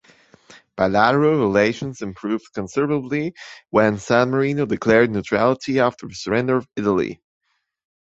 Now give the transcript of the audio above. Bilateral relations improved considerably when San Marino declared neutrality after the surrender of Italy.